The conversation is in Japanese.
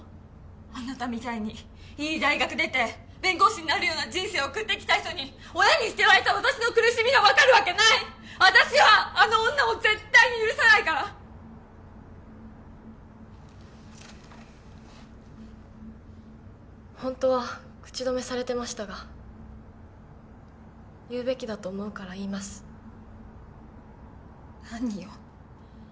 あなたみたいにいい大学出て弁護士になるような人生送ってきた人に親に捨てられた私の苦しみが分かるわけない私はあの女を絶対に許さないからホントは口止めされてましたが言うべきだと思うから言います何よ？